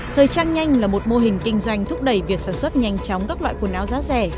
thời trang nhanh là một mô hình kinh doanh thúc đẩy việc sản xuất nhanh chóng các loại quần áo giá rẻ